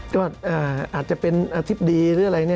ก็อาจจะเป็นอธิบดีหรืออะไร